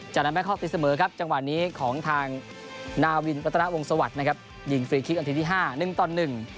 จากนั้นแม่คลอกติดเสมอครับจังหวัดนี้ของทางนาวินประตานาวงศวรรษนะครับยิงฟรีคลิกอันทีที่๕นึ่งตอน๑